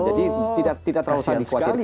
jadi tidak terlalu tak dikhawatirkan